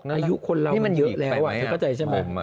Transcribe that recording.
อายุคนเราเป็นเยอะแหละผมอ่ะ